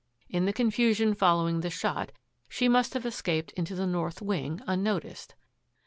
In the confusion following the shot she must have escaped into the north wing, unnoticed.